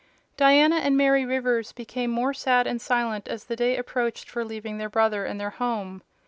Diana and Mary Rivers became more sad and silent as the day approached for leaving their brother and their home.